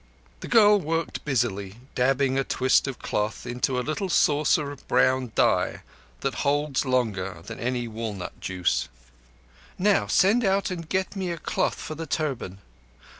The girl worked busily, dabbing a twist of cloth into a little saucer of brown dye that holds longer than any walnut juice. "Now send out and get me a cloth for the turban.